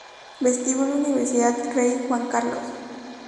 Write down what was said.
Vestíbulo Universidad Rey Juan Carlos